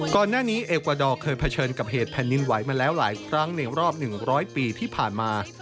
ก่อนหน้านี้เอกวาดอร์เคยเผชิญกับเหตุแผ่นดินไหวมาแล้วหลายครั้งในรอบ๑๐๐ปีที่ผ่านมา